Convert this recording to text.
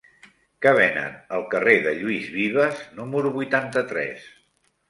Què venen al carrer de Lluís Vives número vuitanta-tres?